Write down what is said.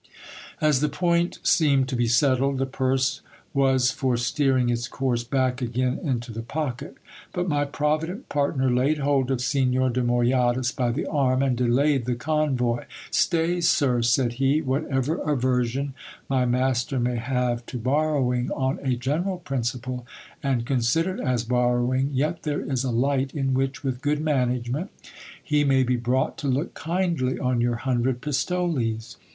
As the point seemed to be settled, the purse was for steering its course back again into the pocket ; but my provident partner laid hold of Signor de Moyadas by the arm, and delayed the convoy. Stay, sir, said he, whatever aversion my master may have to borrowing on a general principle, and considered as borrowing, yet there is a light in which, with good management, he may be brought to look kindly on your hundred pistoles.